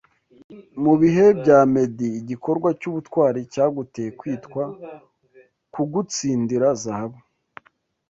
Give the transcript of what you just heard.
Mubihe bya medi igikorwa cyubutwari cyaguteye kwitwa kugutsindira zahabu